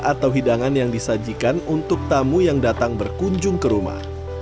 atau hidangan yang disajikan untuk tamu yang datang berkunjung ke rumah